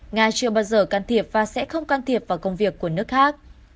nga chưa bao giờ can thiệp và sẽ không can thiệp vào công việc của nước khác